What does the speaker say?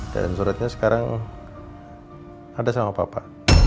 dan suratnya sekarang ada sama papa